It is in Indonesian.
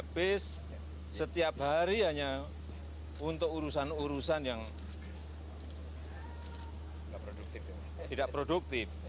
habis setiap hari hanya untuk urusan urusan yang tidak produktif